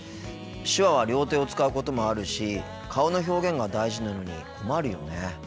手話は両手を使うこともあるし顔の表現が大事なのに困るよね。